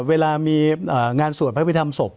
เวลามีงานสวดพระควิถัมฏ์ศพ